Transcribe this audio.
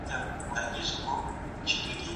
ټولنه بايد د عقل په بنياد ولاړه وي.